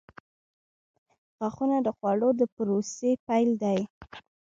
• غاښونه د خوړلو د پروسې پیل دی.